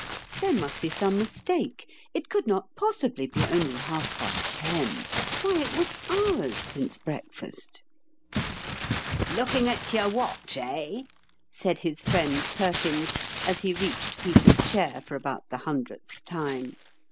There must be some mistake ; it could not possibly be only half past ten. Why, it was hours since break fast !" Looking at your watch, eh ?" said his friend Perkins, as he reached Peter's chair for about the hundredth time.